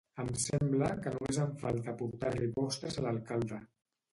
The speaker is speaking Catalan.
Em sembla que només em falta portar-li postres a l'alcalde